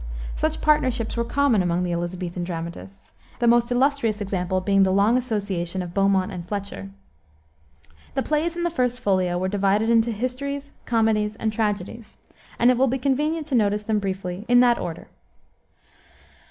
Such partnerships were common among the Elisabethan dramatists, the most illustrious example being the long association of Beaumont and Fletcher. The plays in the First Folio were divided into histories, comedies, and tragedies, and it will be convenient to notice them briefly in that order.